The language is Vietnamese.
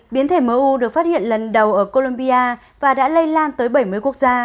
biến thể mu được phát hiện lần đầu ở colombia và đã lây lan tới bảy mươi quốc gia